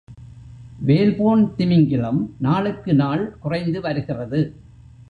Whalebone திமிங்கிலம் நாளுக்கு நாள் குறைந்து வருகிறது.